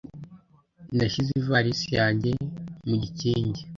Nashyize ivalisi yanjye mu gikingi.